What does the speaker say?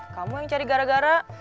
kamu yang cari gara gara